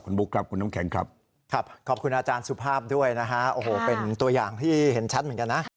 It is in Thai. บุ๊คครับคุณน้ำแข็งครับครับขอบคุณอาจารย์สุภาพด้วยนะฮะโอ้โหเป็นตัวอย่างที่เห็นชัดเหมือนกันนะ